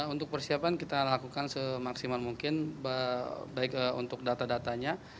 untuk persiapan kita lakukan semaksimal mungkin baik untuk data datanya